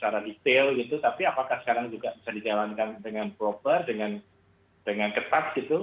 secara detail gitu tapi apakah sekarang juga bisa dijalankan dengan proper dengan ketat gitu